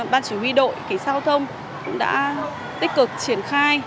ban chỉ huy đội kỹ giao thông cũng đã tích cực triển khai